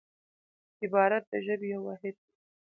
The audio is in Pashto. عبارت د ژبي یو واحد دئ.